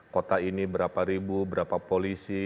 kota ini berapa ribu berapa polisi